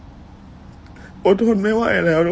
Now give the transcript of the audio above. สุขภาพจิตอดเสียไปเลยนะครับทุกคนรู้สึกแย่มากมากมากมากมาก